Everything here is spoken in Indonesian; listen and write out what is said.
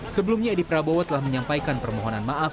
sebelumnya edi prabowo telah menyampaikan permohonan maaf